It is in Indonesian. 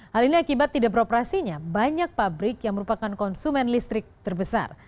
hal ini akibat tidak beroperasinya banyak pabrik yang merupakan konsumen listrik terbesar